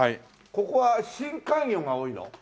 ここは深海魚が多いの？